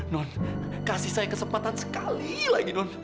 non kasih saya kesempatan sekali lagi nonto